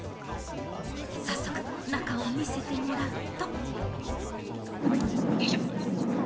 早速、中を見せてもらうと。